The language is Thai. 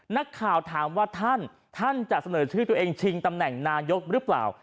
นักข่าวถามว่าท่านท่านจะเสนอชื่อตัวเองชิงตำแหน่งนายกหรือเปล่า